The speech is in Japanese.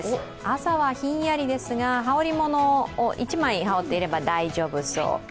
朝ひんやりですが、羽織もの１枚羽織っていれば大丈夫そう。